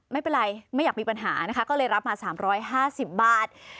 ไม่เป็นไรไม่อยากมีปัญหานะคะก็เลยรับมา๓๕๐บาท